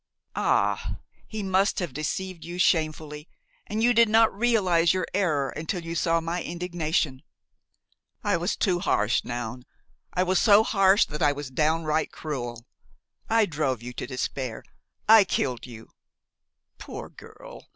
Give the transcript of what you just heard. Ah! he must have deceived you shamefully, and you did not realize your error until you saw my indignation! I was too harsh, Noun; I was so harsh that I was downright cruel; I drove you to despair, I killed you! Poor girl!